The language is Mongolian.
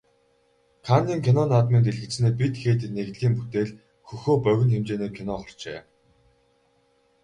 Каннын кино наадмын дэлгэцнээ "Бид хэд" нэгдлийн бүтээл "Хөхөө" богино хэмжээний кино гарчээ.